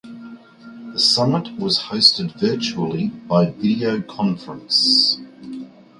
The summit was hosted virtually by video conference.